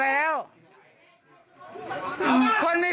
ท่านผมอยู่ไหนไอ้